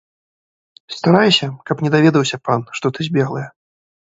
Старайся, каб не даведаўся пан, што ты збеглая!